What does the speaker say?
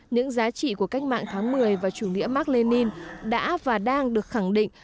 những giá trị của cách mạng tháng một mươi và chủ nghĩa mark lenin đã và đang được khẳng định